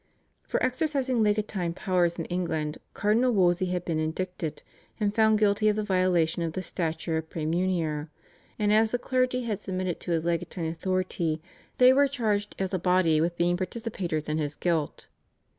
For exercising legatine powers in England Cardinal Wolsey had been indicted and found guilty of the violation of the stature of Praemunire, and as the clergy had submitted to his legatine authority they were charged as a body with being participators in his guilt.